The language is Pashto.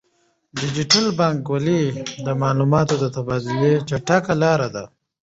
ډیجیټل بانکوالي د معلوماتو د تبادلې چټکه لاره ده.